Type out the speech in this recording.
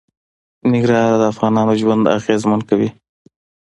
ننګرهار د افغانانو ژوند اغېزمن کوي.